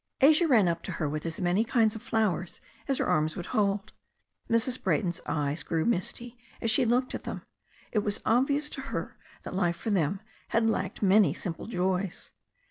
Asia ran up to her with as many kinds of flowers as her arms would hold. Mrs. Bra3rton's eyes grew misty as she looked at them. It was obvious to her that life for them had lacked many simple joys.